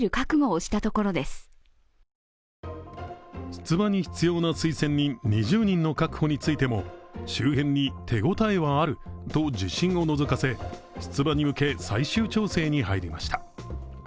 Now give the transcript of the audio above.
出馬に必要な推薦人２０人の確保についても周辺に、手応えはあると自信をのぞかせ出馬に向け、最終調整に入りました。